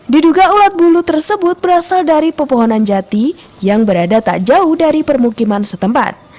diduga ulat bulu tersebut berasal dari pepohonan jati yang berada tak jauh dari permukiman setempat